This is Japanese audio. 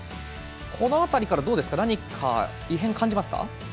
この辺りから何か異変を感じますか？